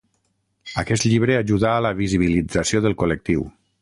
Aquest llibre ajudà a la visibilització del col·lectiu.